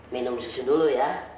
minum susu dulu ya